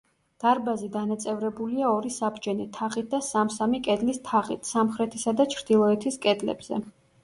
დარბაზი დანაწევრებულია ორი საბჯენი თაღით და სამ-სამი კედლის თაღით, სამხრეთისა და ჩრდილოეთის კედლებზე.